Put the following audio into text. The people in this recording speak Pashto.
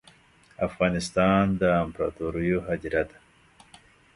افغانستان ده امپراتوریو هدیره ده